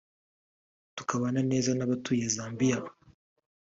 tukabana neza n’abatuye Zambia